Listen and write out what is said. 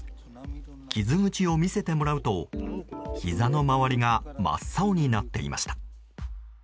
傷口を見せてもらうとひざの周りが真っ青になっていました。